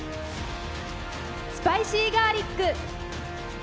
スパイシーガーリック。